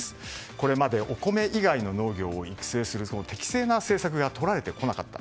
これまでお米以外の農業を育成する適正な政策がとられてこなかった。